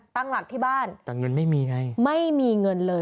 ตั้งหลักที่บ้านแต่เงินไม่มีไงไม่มีเงินเลย